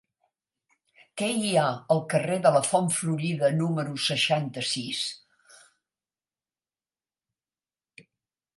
Què hi ha al carrer de la Font Florida número seixanta-sis?